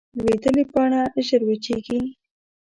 لوېدلې پاڼه ژر وچېږي